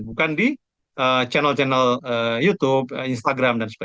bukan di channel channel youtube instagram dan sebagainya